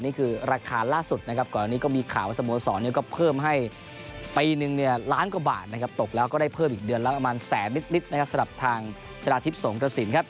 นี่คือราคาล่าสุดนะครับก่อนอันนี้ก็มีข่าวว่าสโมสรก็เพิ่มให้ปีนึงเนี่ยล้านกว่าบาทนะครับตกแล้วก็ได้เพิ่มอีกเดือนละประมาณแสนนิดนะครับสำหรับทางชนะทิพย์สงกระสินครับ